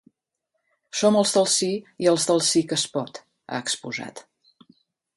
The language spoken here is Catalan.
Som els del sí i els del sí que es pot, ha exposat.